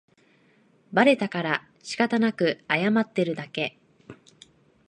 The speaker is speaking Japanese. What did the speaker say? バレたからしかたなく謝ってるだけ